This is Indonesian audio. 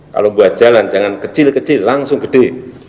kalau buat jalan jangan kecil kecil langsung gede